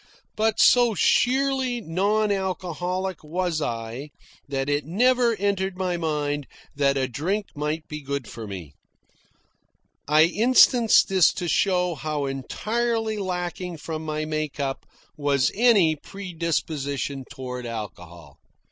But so sheerly non alcoholic was I that it never entered my mind that a drink might be good for me. I instance this to show how entirely lacking from my make up was any predisposition toward alcohol.